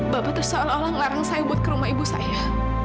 bapak tersoal olah ngelarang saya berbuat ke rumah ibu saya